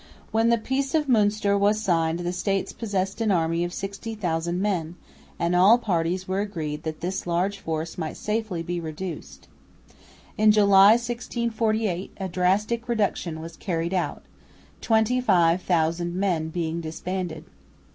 When the peace of Münster was signed the States possessed an army of 60,000 men, and all parties were agreed that this large force might safely be reduced. In July 1648, a drastic reduction was carried out, twenty five thousand men being disbanded.